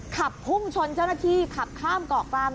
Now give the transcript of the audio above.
ขับพุ่งชนเจ้าหน้าที่ขับข้ามเกาะกลาง